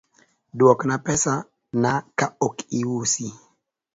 Dwokna pesa na ka ok iusi.